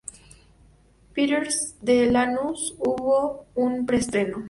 Peretz de Lanús, hubo un pre-estreno.